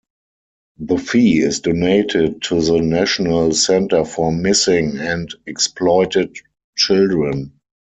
The fee is donated to the National Center for Missing and Exploited Children.